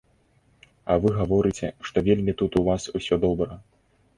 А вы гаворыце, што вельмі тут у вас усё добра.